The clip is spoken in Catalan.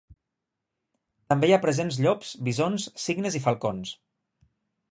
També hi ha presents llops, bisons, cignes i falcons.